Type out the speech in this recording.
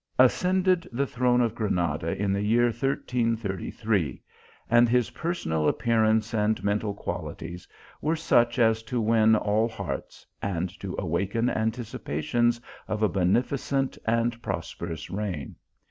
ascended the throne of Granada in the year 1333. and his personal appearance and mental quali ties were such as to win all hearts, and to awaken anticipations of a beneficent and prosperous reign.